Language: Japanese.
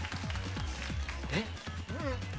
えっ？